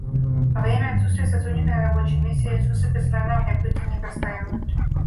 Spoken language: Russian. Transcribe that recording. Во время отсутствия сотрудника на рабочем месте ресурсы персонального компьютера не простаивают